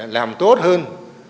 làm tốt hơn